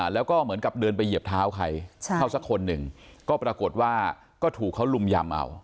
แล้วก็เหมือนกับเดินไปเหยียบเท้าใครเข้าสักคนหนึ่งก็ปรากฏว่าก็ถูกเขาลุมยำเอา